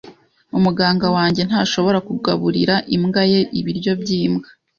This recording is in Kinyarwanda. Umuganga wanjye ntashobora kugaburira imbwa ye ibiryo byimbwa.